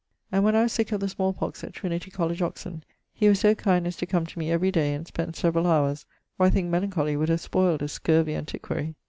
And when I was sick of the small pox at Trinity College Oxon, he was so kind as to come to me every day and spend severall houres, or I thinke melancholy would have spoyled a scurvey antiquary.